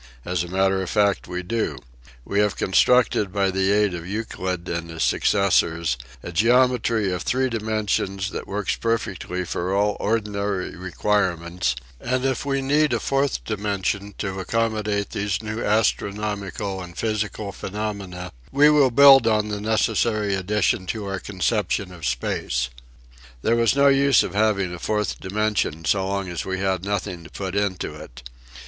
As a matter of fact we do. We have constructed by the aid of Euclid and his successors a geometry of three dimensions that works perfectly for all ordinary requirements and if we need a fourth dimension to accommodate these new astronomical and physical phenomena we will build on the necessary addition to our conception of space. There was no use having a fourth dimension so long as we had nothing to put in it.